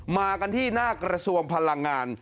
มากันที่หน้ากระทรวงพลังงาน